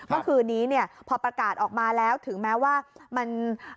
เมื่อคืนนี้เนี่ยพอประกาศออกมาแล้วถึงแม้ว่ามัน